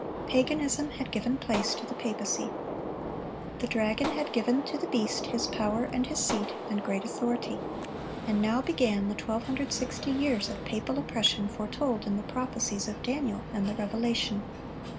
Paganism had given place to the papacy. The dragon had given to the beast "his power, and his seat, and great authority."(80) And now began the 1260 years of papal oppression foretold in the prophecies of Daniel and the Revelation.